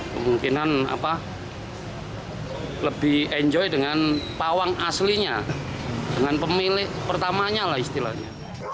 kemungkinan lebih enjoy dengan pawang aslinya dengan pemilik pertamanya lah istilahnya